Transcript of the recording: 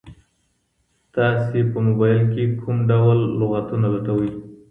تاسي په موبایل کي کوم ډول لغتونه لټوئ؟